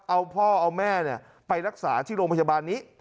เอาพ่อเอาแม่ไปรักษาที่โรงพยาบาลนี้